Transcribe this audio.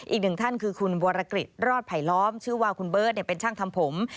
อีกหนึ่งท่านคือคุณวรกฤษรอดไผลล้อมชื่อว่าคุณเบิร์ตเป็นช่างทำผม